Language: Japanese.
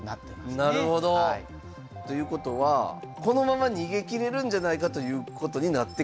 なるほど。ということはこのまま逃げきれるんじゃないかということになってきたわけですね。